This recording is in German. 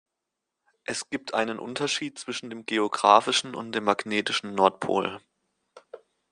Es gibt einen Unterschied zwischen dem geografischen und dem magnetischen Nordpol.